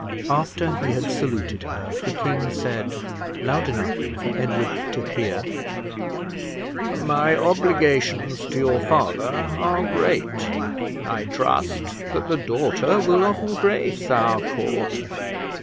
After he had saluted her, the king said, loud enough for Edward to hear, "My obligations to your father are great. I trust that the daughter will often grace our court."